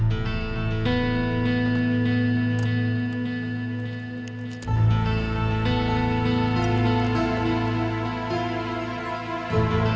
masukkan kembali ke tempat yang diperlukan